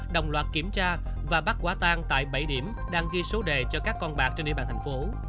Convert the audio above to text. đồng loạt kiểm tra và bắt quả tan tại bảy điểm đang ghi số đề cho các con bạc trên địa bàn thành phố